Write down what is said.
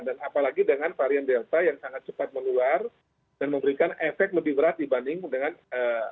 dan apalagi dengan varian delta yang sangat cepat meluar dan memberikan efek lebih berat dibanding dengan varian covid yang sebelumnya